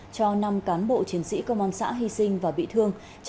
cho năm cán bộ chiến sĩ công an xã hy sinh và bị thương